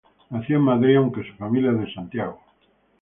Nació en Madrid, aunque su familia es de Santiago.